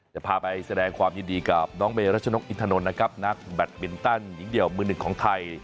จะพาไปแสดงความยินดีกับน้องเมรัชนกอินทนนท์นะครับนักแบตมินตันหญิงเดี่ยวมือหนึ่งของไทย